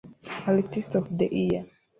Artiste of the year